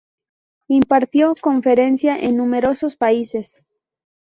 Impartió conferencias en numerosos países.